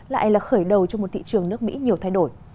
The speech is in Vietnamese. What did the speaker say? lại là khởi đầu cho một thị trường nước mỹ nhiều thay đổi